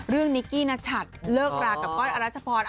เรื่องนิกกี้นัชัตริย์เลิกรักกับก้อยอรัชพร